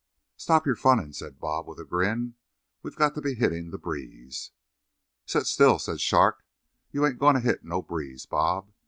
"Stop your funnin'," said Bob, with a grin. "We got to be hittin' the breeze." "Set still," said Shark. "You ain't goin' to hit no breeze, Bob.